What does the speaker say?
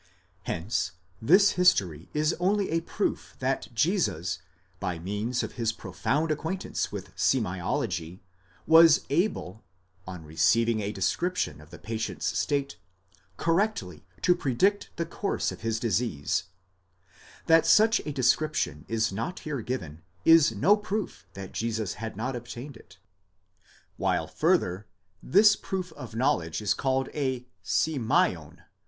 Hence, this history is only a proof that Jesus by means of his profound acquaintance with semeiology, was able, on receiving a description of the patient's state, correctly to predict the course of his disease ; that such a description is not here given is no proof that Jesus had not obtained it; while further this proof of knowledge is called a σημεῖον (v.